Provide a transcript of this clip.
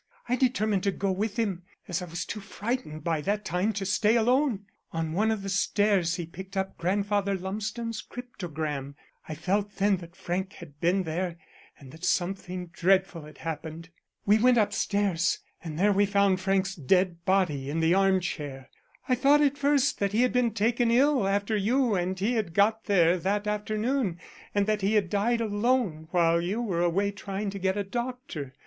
I determined to go with him, as I was too frightened by that time to stay alone. On one of the stairs he picked up Grandfather Lumsden's cryptogram. I felt then that Frank had been there, and that something dreadful had happened. We went upstairs, and there we found Frank's dead body in the arm chair. I thought at first that he had been taken ill after you and he got there that afternoon, and that he had died alone while you were away trying to get a doctor.